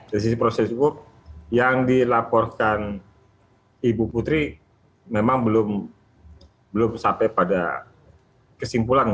dari sisi proses hukum yang dilaporkan ibu putri memang belum sampai pada kesimpulan